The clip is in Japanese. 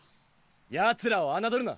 ヤツらを侮るな。